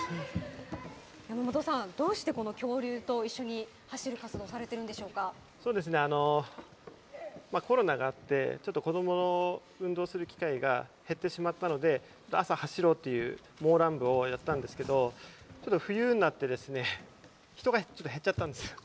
山本さん、どうして、この恐竜と一緒に走る活動されてるんでそうですね。コロナがあって、ちょっと子どもの運動する機会が減ってしまったので、朝走ろうという、モーラン部をやったんですけど、ちょっと冬になってですね、人がちょっと減っちゃったんですよ。